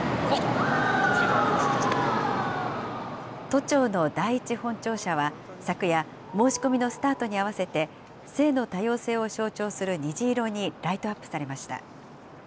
都庁の第一本庁舎は、昨夜、申し込みのスタートに合わせて、性の多様性を象徴する虹色にライトアップされました。